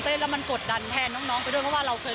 แล้วมันกดดันแทนน้องไปด้วยเพราะว่าเราเคย